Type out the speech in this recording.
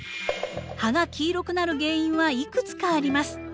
葉が黄色くなる原因はいくつかあります。